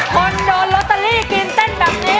คนยอนโรตารี่กินเต้นแบบนี้